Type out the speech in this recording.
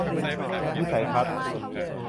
วิสัยทัศน์